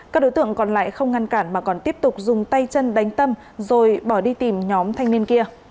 các đối tượng còn lại không ngăn cản mà còn tiếp tục dùng tay chân đánh tâm rồi bỏ đi tìm nhóm thanh niên kia